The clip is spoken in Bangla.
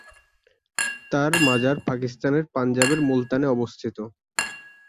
তাঁর মাজার পাকিস্তানের পাঞ্জাবের মুলতানে অবস্থিত।